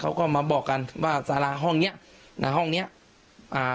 เขาก็มาบอกกันว่าสาราห้องเนี้ยนะห้องเนี้ยอ่า